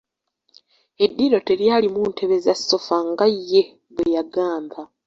Eddiiro telyalimu ntebe za sofa nga ye bwe yagamba.